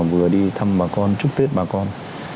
vừa đi thăm bà con chúc tết bà con